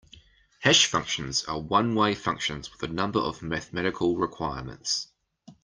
Hash functions are one-way functions with a number of mathematical requirements.